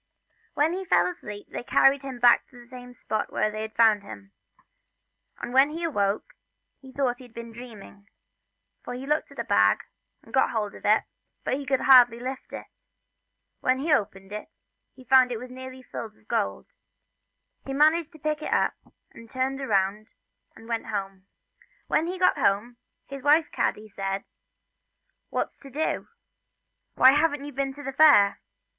When he was asleep they carried him back to the same spot where they had found him, and when he awoke he thought he had been dreaming, so he looked for his bag, and got hold of it, but he could hardly lift it. When he opened it he found it was nearly filled with gold. 1 6 The Old Man and the Fairies. He managed to pick it up, and turning round, he went home. When he got home, his wife Kaddy said :" What 's to do, why haven't you been to the fair